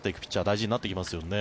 大事になっていきますよね。